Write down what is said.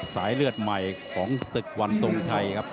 สายเลือดใหม่ของศึกวันทรงชัยครับ